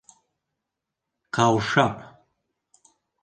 Ҡаушап: